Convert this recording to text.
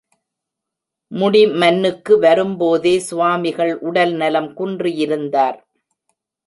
முடிமன்னுக்கு வரும்போதே சுவாமிகள் உடல்நலம் குன்றியிருந்தார்.